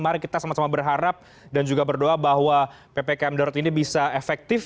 mari kita sama sama berharap dan juga berdoa bahwa ppkm darurat ini bisa efektif